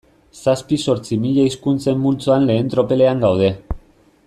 Zazpi-zortzi mila hizkuntzen multzoan lehen tropelean gaude.